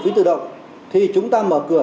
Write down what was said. phí tự động thì chúng ta mở cửa